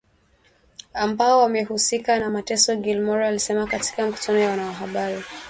ambao wamehusika na mateso Gilmore alisema katika mkutano na wanahabari